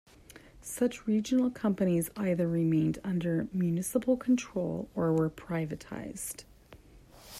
Such regional companies either remained under municipal control, or were privatized.